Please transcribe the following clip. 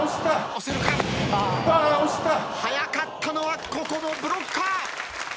早かったのはここもブロッカー。